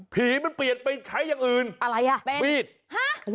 ผีมันเปลี่ยนไปใช้อย่างอื่นวีดห้า